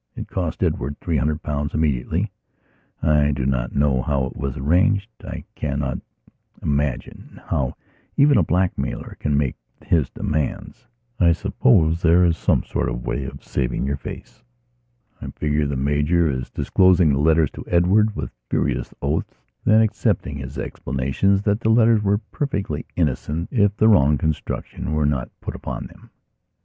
It cost Edward three hundred pounds immediately. I do not know how it was arranged; I cannot imagine how even a blackmailer can make his demands. I suppose there is some sort of way of saving your face. I figure the Major as disclosing the letters to Edward with furious oaths, then accepting his explanations that the letters were perfectly innocent if the wrong construction were not put upon them.